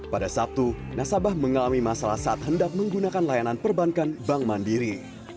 pada sabtu nasabah mengalami masalah saat hendak menggunakan layanan perbankan bank mandiri